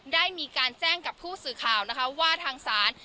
ได้มีการแจ้งกับผู้สื่อข่าวนะคะว่าทางศาล